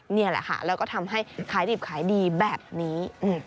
นี่แหละค่ะแล้วก็ทำให้ขายดิบขายดีแบบนี้